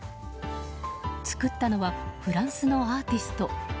作ったのはフランスのアーティスト。